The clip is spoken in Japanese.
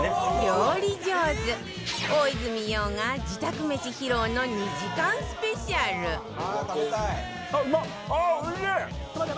料理上手大泉洋が自宅めし披露の２時間スペシャル